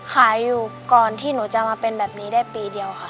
ขายอยู่ก่อนที่หนูจะมาเป็นแบบนี้ได้ปีเดียวค่ะ